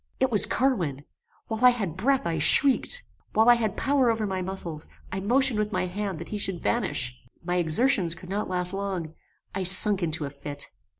It was Carwin! While I had breath I shrieked. While I had power over my muscles, I motioned with my hand that he should vanish. My exertions could not last long; I sunk into a fit.